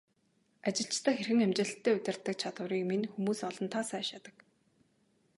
Ажилчдаа хэрхэн амжилттай удирддаг чадварыг минь хүмүүс олонтаа сайшаадаг.